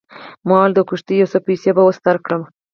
ما وویل د کښتۍ یو څه پیسې به اوس درکړم.